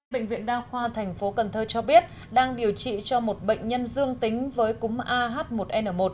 bệnh viện đa khoa thành phố cần thơ cho biết đang điều trị cho một bệnh nhân dương tính với cúm ah một n một